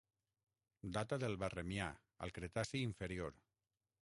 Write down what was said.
Data del Barremià, al Cretaci inferior.